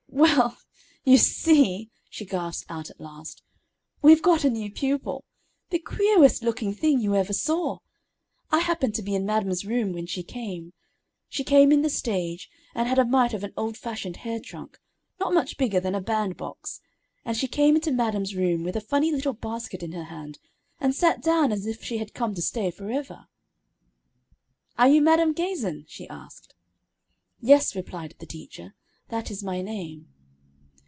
"Well you see," she gasped out at last, "we've got a new pupil the queerest looking thing you ever saw. I happened to be in madam's room when she came. She came in the stage, and had a mite of an old fashioned hair trunk, not much bigger than a band box, and she came into madam's room with a funny little basket in her hand, and sat down as if she had come to stay forever. "'Are you Madam Gazin?' she asked. "'Yes,' replied the teacher, 'that is my name.'